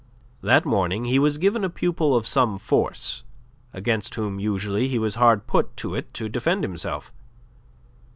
That morning he was given a pupil of some force, against whom usually he was hard put to it to defend himself.